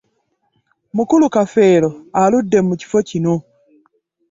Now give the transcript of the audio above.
Mukulu kafeero aludde mu kifo kino.